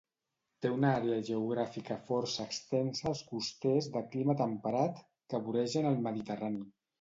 Té una àrea geogràfica força extensa als costers de clima temperat que voregen el Mediterrani.